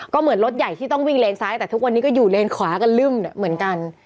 ก็เหมือนรถใหญ่ที่ต้องวิ่งเลนซ้ายแต่ทุกวันนี้ก็อยู่เลนขวากันลึ่มเหมือนกัน